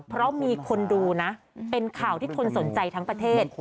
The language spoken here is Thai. เพราะมีคนดูนะเป็นข่าวที่คนสนใจทั้งประเทศ